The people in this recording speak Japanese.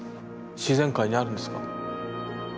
自然界にあるんですか？